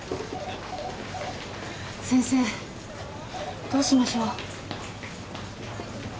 先生どうしましょう。